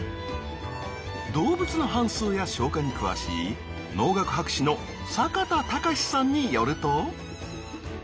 動物の反すうや消化に詳しい農学博士の坂田隆さんによると。